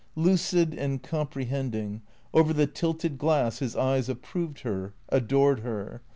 Lucid and comprehending, over tlie tilted glass his eyes ap proved her, adored her.